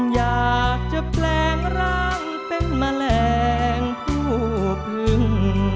อยากจะแปลงร่างเป็นแมลงผู้พึง